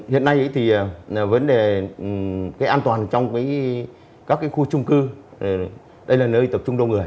hiện nay thì vấn đề an toàn trong các khu trung cư đây là nơi tập trung đông người